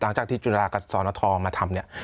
หลังจากที่จุฬากับสอนทธอมาทำเนี่ย